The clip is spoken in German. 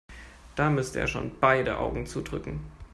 Da müsste er schon beide Augen zudrücken.